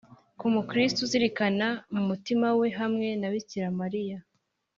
ku mukristu uzirikana mu mutima we, hamwe na bikira mariya